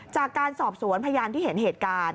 จากการสอบสวนพยานที่เห็นเหตุการณ์